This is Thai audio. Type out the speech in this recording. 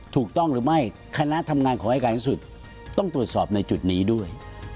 ถูกต้องหรือไม่คณะทำงานของอายการที่สุดต้องตรวจสอบในจุดนี้ด้วย